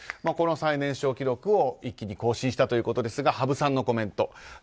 この最年少記録を一気に更新したということですが羽生さんのコメント。